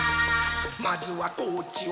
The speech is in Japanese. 「まずはこっちを」